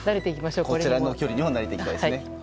こちらの距離にも慣れていきたいですね。